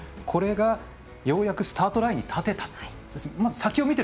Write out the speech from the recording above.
これが、ようやくスタートラインに立てた。